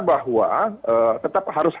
bahwa tetap harus